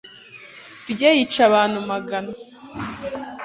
rye yica abantu magana